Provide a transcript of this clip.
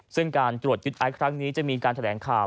ซึ่งการตรวจยึดไอซ์ครั้งนี้จะมีการแถลงข่าว